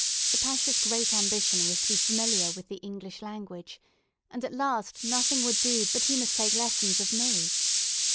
The Pacha's great ambition was to be familiar with the English language, and at last nothing would do but he must take lessons of me.